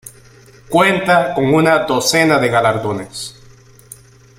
Cuenta con una docena de galardones.